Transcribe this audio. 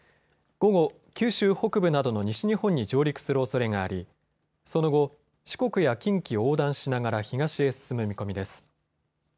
午後、九州北部などの西日本に上陸するおそれがありその後、四国や近畿を横断しながら東へ進む見込みです。